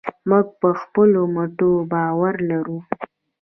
موږ په خپلو مټو باور لرو.